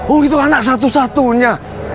oh gitu anak satu satunya